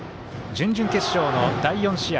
準々決勝の第４試合